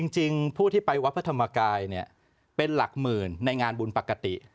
จริงผู้ที่ไปวัดพระธรรมกายเป็นหลักหมื่นในงานบุญปกติ